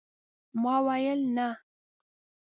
ما ويل ، نه !